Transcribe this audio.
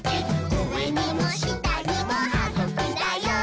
うえにもしたにもはぐきだよ！」